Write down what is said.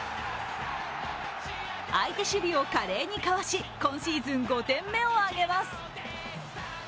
相手守備を華麗にかわし、今シーズン５点目を挙げます。